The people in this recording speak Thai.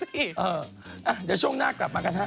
เดี๋ยวช่วงหน้ากลับมากันฮะ